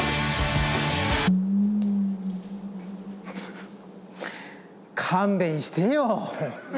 フフ勘弁してよ。